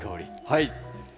はい。